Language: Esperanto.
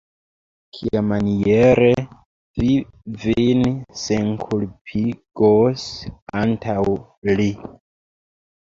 Kiamaniere vi vin senkulpigos antaŭ li?